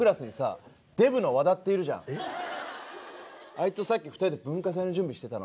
あいつとさっき２人で文化祭の準備してたの。